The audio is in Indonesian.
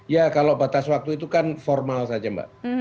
ya kalau batas waktu itu kan formal saja mbak